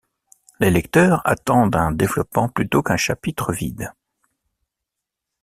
Les lecteurs attendent un développement plutôt qu'un chapitre vide.